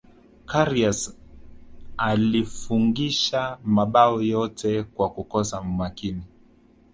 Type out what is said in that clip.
karius alifungisha mabao yote kwa kukosa umakini